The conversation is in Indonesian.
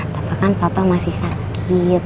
tapi papa kan masih sakit